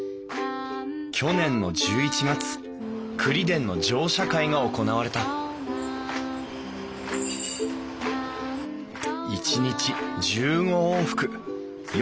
去年の１１月くりでんの乗車会が行われた一日１５往復。